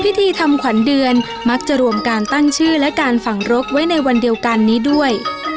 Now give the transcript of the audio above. พิธีทำขวัญเดือนมักจะรวมการตั้งชื่อและการฝังรกไว้ในวันเดียวกันนี้ด้วย